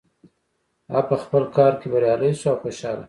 هغه په خپل کار کې بریالی شو او خوشحاله ده